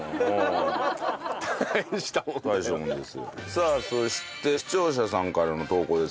さあそして視聴者さんからの投稿ですね。